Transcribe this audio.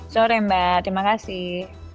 sore mbak terima kasih